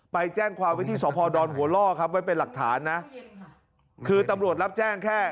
ไปแจ้งความวิธีสพดอนหัวล่อครับไว้เป็นหลักฐานนะคือตำรวจรับแจ้งแค่